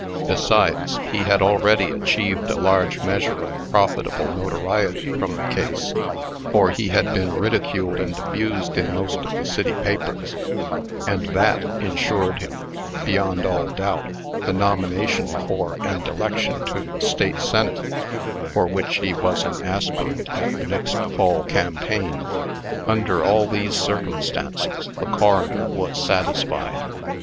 Besides, he had already achieved a large measure of profitable notoriety from the case; for he had been ridiculed and abused in most of the city papers; and that insured him, beyond all doubt, the nomination for and election to the State Senate, for which he was an aspirant at the next fall campaign. Under all these circumstances, the coroner was satisfied.